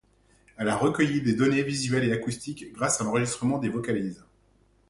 Elle a recueilli des données visuelles et acoustiques grâce à l'enregistrement des vocalises.